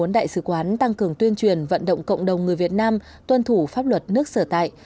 bốn đại sứ quán tăng cường tuyên truyền vận động cộng đồng người việt nam tuân thủ pháp luật nước sở tại